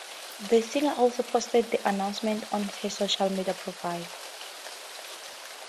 The singer also posted the announcement on her social media profiles.